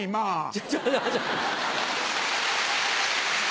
ちょちょちょ。